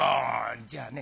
「じゃあね